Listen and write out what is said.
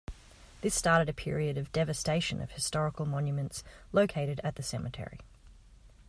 This started a period of devastation of historical monuments located at the cemetery.